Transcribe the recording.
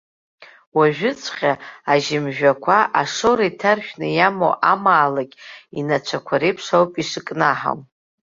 Уажәыҵәҟьа ажьымжәақәа, ашоура иҭаршәны иамоу амаалықь инацәақәа реиԥш ауп ишкнаҳау.